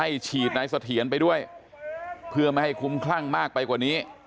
ฉีดนายเสถียรไปด้วยเพื่อไม่ให้คุ้มคลั่งมากไปกว่านี้